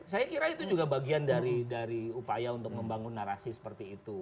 saya kira itu juga bagian dari upaya untuk membangun narasi seperti itu